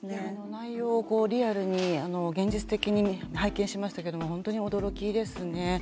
内容をリアルに現実的に拝見しましたけど本当に驚きですね。